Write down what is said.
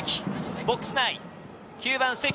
ボックス内、９番・積。